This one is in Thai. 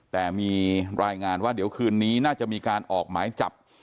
แต่มีรายงานว่าเดี๋ยวคืนนี้น่าจะมีการออกหมายจับ